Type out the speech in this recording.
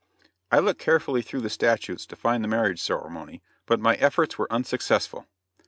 I looked carefully through the statutes to find the marriage ceremony, but my efforts were unsuccessful.